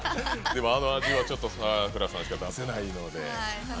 あの味は、さくらさんしか出せないので。